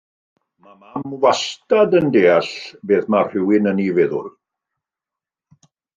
Mae mam wastad yn deall beth mae rhywun yn ei feddwl.